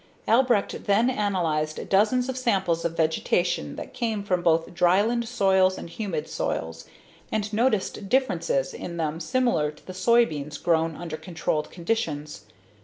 Albrecht then analyzed dozens of samples of vegetation that came from both dryland soils and humid soils and noticed differences in them similar to the soybeans grown under controlled conditions.